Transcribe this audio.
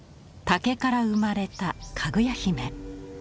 竹から生まれたかぐや姫。